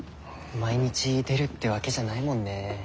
毎日出るってわけじゃないもんね。